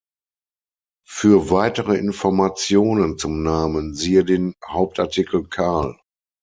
Für weitere Informationen zum Namen siehe den Hauptartikel Karl.